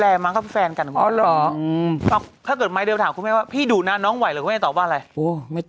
เอาแฟนจนหล่อขนาดนี้